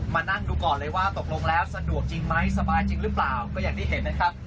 มานั่งดูก่อนเลยว่าตกลงแล้วสะดวกจริงไหมสบายจริงหรือเปล่าก็อย่างที่เห็นนะครับ